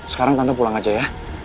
sekarang tante pulang aja ya